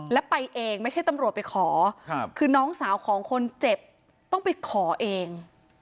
แล้วไปเองไม่ใช่ตำรวจไปขอคือน้องสาวของคนเจ็บต้องไปขอเอง